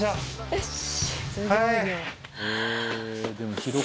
よし。